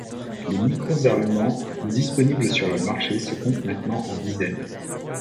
Les micros à ruban disponibles sur le marché se comptent maintenant en dizaines.